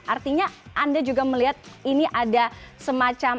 artinya anda juga melihat ini ada semacam